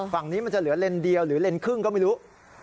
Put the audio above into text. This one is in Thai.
ฝั่งนี้มันจะเหลือเลนเดียวหรือเลนครึ่งก็ไม่รู้